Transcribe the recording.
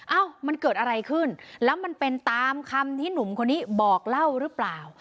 เอ้ามันเกิดอะไรขึ้นแล้วมันเป็นตามคำที่หนุ่มคนนี้บอกเล่าหรือเปล่า